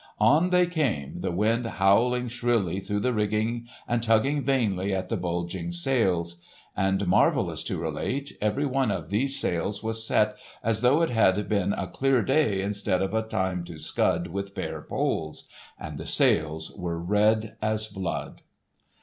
On they came, the wind howling shrilly through the rigging and tugging vainly at the bulging sails. And, marvellous to relate, every one of these sails was set, as though it had been a clear day instead of a time to scud with bare poles; and the sails were red as blood!